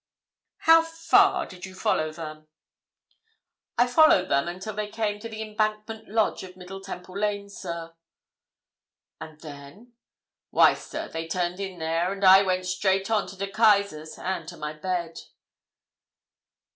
"How far did you follow them?" "I followed them until they came to the Embankment lodge of Middle Temple Lane, sir." "And then?" "Why, sir, they turned in there, and I went straight on to De Keyser's, and to my bed."